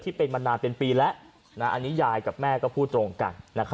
เป็นมานานเป็นปีแล้วอันนี้ยายกับแม่ก็พูดตรงกัน